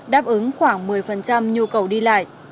đáp ứng khoảng một mươi nhu cầu đi lại